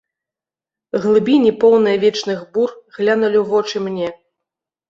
Глыбіні, поўныя вечных бур, глянулі ў вочы мне.